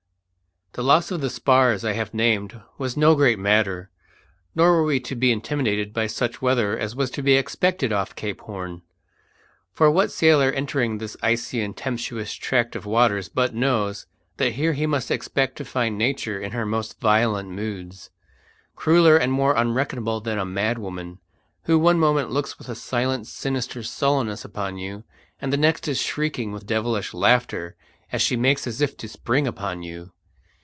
The loss of the spars I have named was no great matter, nor were we to be intimidated by such weather as was to be expected off Cape Horn. For what sailor entering this icy and tempestuous tract of waters but knows that here he must expect to find Nature in her most violent moods, crueller and more unreckonable than a mad woman, who one moment looks with a silent sinister sullenness upon you, and the next is shrieking with devilish laughter as she makes as if to spring upon you?